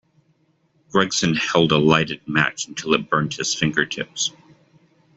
Gregson held a lighted match until it burnt his fingertips.